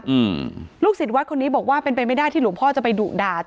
อืมลูกศิษย์วัดคนนี้บอกว่าเป็นไปไม่ได้ที่หลวงพ่อจะไปดุด่า